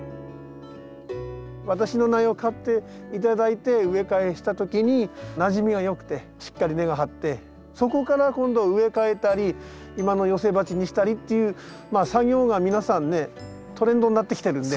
私の苗を買って頂いて植え替えした時になじみが良くてしっかり根が張ってそこから今度植え替えたり今の寄せ鉢にしたりっていう作業が皆さんねトレンドになってきてるんで。